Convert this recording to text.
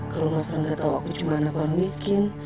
kalau mas rangga tau aku cuman orang miskin